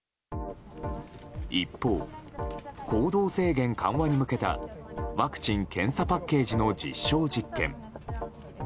一方、行動制限緩和に向けたワクチン・検査パッケージの実証実験。